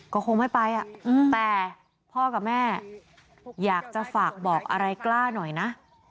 ก็คงไม่ไปแต่พ่อกับแม่อยากจะฝากบอกอะไรกล้าหน่อยนะ